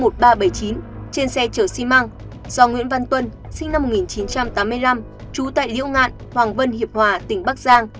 trên xe chở xi măng do nguyễn văn tuân sinh năm một nghìn chín trăm tám mươi năm trú tại liễu ngạn hoàng vân hiệp hòa tỉnh bắc giang